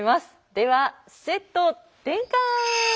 ではセット転換！